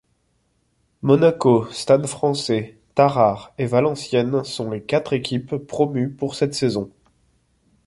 Monaco, Stade Français, Tarare et Valenciennes sont les quatre équipes promues pour cette saison.